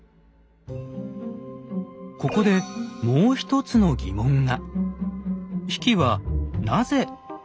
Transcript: ここでもう一つの疑問が。